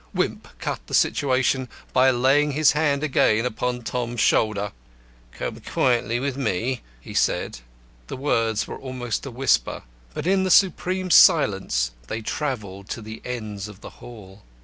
Wimp cut the situation by laying his hand again upon Tom's shoulder. "Come quietly with me," he said. The words were almost a whisper, but in the supreme silence they travelled to the ends of the hall.